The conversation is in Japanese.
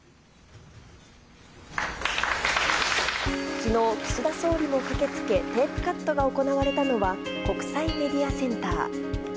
昨日、岸田総理も駆けつけ、テープカットが行われたのは国際メディアセンター。